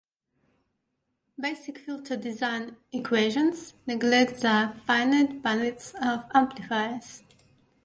Basic filter design equations neglect the finite bandwidth of amplifiers.